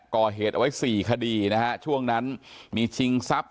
ก่อเหตุเอาไว้สี่คดีนะฮะช่วงนั้นมีชิงทรัพย